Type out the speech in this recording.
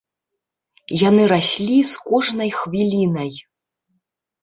Яны раслі з кожнай хвілінай.